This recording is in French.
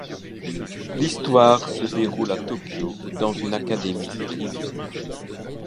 L'histoire se déroule à Tokyo, dans une académie privée.